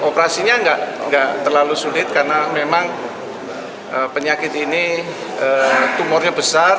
operasinya nggak terlalu sulit karena memang penyakit ini tumornya besar